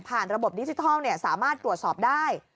ระบบดิจิทัลสามารถตรวจสอบได้